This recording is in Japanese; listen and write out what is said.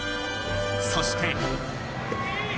そして。